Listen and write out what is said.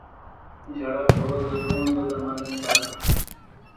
• ژړا کول د زړونو د درملنې لاره ده.